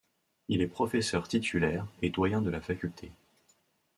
Il est professeur titulaire et doyen de la faculté.